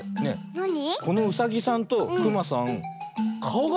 なに？